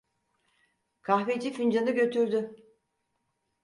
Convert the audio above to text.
Kahveci fincanı götürdü.